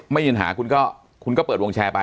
ยืนหาคุณก็คุณก็เปิดวงแชร์ไป